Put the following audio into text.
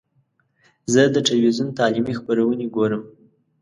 زه د ټلویزیون تعلیمي خپرونې ګورم.